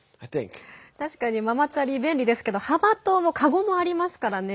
確かにママチャリ便利ですけど幅とカゴもありますからね。